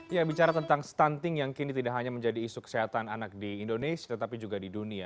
ya bicara tentang stunting yang kini tidak hanya menjadi isu kesehatan anak di indonesia tetapi juga di dunia